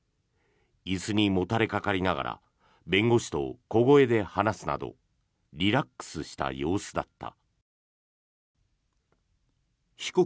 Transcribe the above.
椅子にもたれかかりながら弁護士と小声で話すなどリラックスした様子だった。